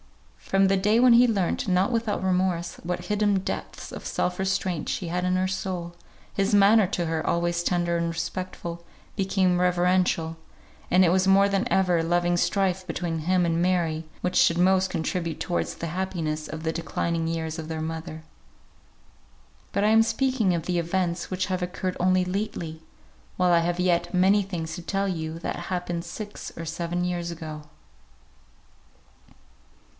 From the day when he learnt (not without remorse) what hidden depths of self restraint she had in her soul, his manner to her, always tender and respectful, became reverential; and it was more than ever a loving strife between him and Mary which should most contribute towards the happiness of the declining years of their mother. But I am speaking of the events which have occurred only lately, while I have yet many things to tell you that happened six or seven years ago.